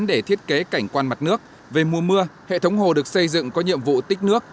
để thiết kế cảnh quan mặt nước về mùa mưa hệ thống hồ được xây dựng có nhiệm vụ tích nước